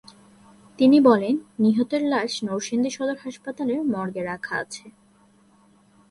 তিনি বলেন, নিহতের লাশ নরসিংদী সদর হাসপাতালের মর্গে রাখা আছে।